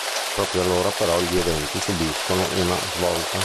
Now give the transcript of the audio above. Proprio allora però gli eventi subiscono una svolta.